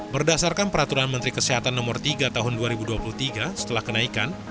berdasarkan peraturan menteri kesehatan no tiga tahun dua ribu dua puluh tiga setelah kenaikan